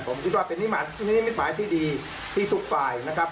ผมคิดว่าเป็นนิมิตหมายที่ดีที่ทุกฝ่ายนะครับ